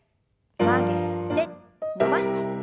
曲げて伸ばして。